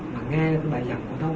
mà nghe cái bài giảm cỏ đông